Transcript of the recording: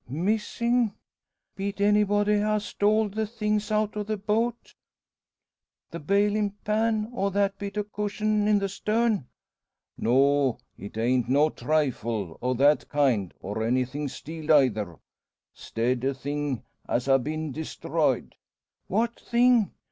"Missin'! Be't anybody ha' stoled the things out o' the boat? The balin' pan, or that bit o' cushion in the stern?" "No it ain't; no trifle o' that kind, nor anythin' stealed eyther. 'Stead a thing as ha' been destroyed." "What thing?"